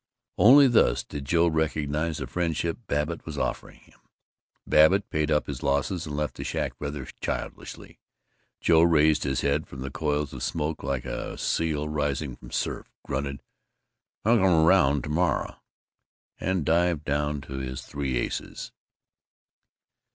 Only thus did Joe recognize the friendship Babbitt was offering him. Babbitt paid up his losses and left the shack rather childishly. Joe raised his head from the coils of smoke like a seal rising from surf, grunted, "I'll come 'round t'morrow," and dived down to his three aces.